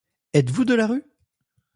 Êtes-vous de la rue?